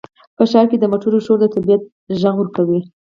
په ښار کې د موټرو شور د طبیعت غږ ورکوي.